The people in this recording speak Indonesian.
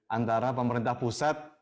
antara pemerintah pusat